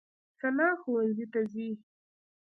ثنا ښوونځي ته ځي.